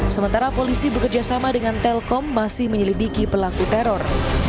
sementara polisi bekerjasama dengan telkom masih menyelidiki pelaku teror